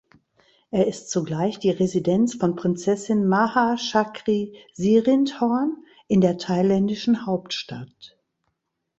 Er ist zugleich die Residenz von Prinzessin Maha Chakri Sirindhorn in der thailändischen Hauptstadt.